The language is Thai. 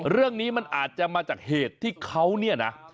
เรื่องนี้มันอาจจะมาจากเหตุที่เขาเนี่ยนะ